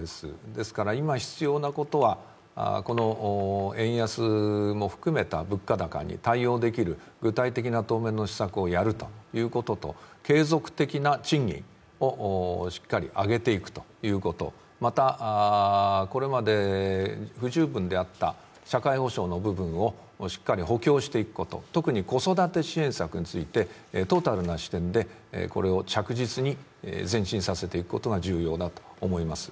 ですから今、必要なことは円安も含めた物価高に対応できる具体的な当面の施策をやるということと継続的な賃金をしっかり上げていくということまた、これまで不十分であった社会保障の部分をしっかり補強していくこと、特に子育て支援策についてトータルな視点でこれを着実に前進させていくことが重要だと思います。